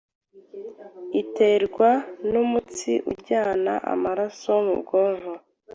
iterwa nu umutsi ujyana amaraso mu bwonko